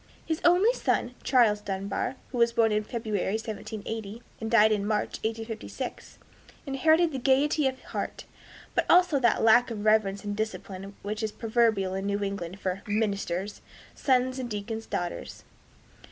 His only son, Charles Dunbar, who was born in February, 1780, and died in March, 1856, inherited this gaiety of heart, but also that lack of reverence and discipline which is proverbial in New England for "ministers' sons and deacons' daughters."